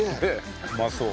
うまそう。